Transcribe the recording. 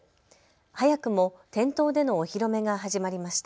早くも店頭でのお披露目が始まりました。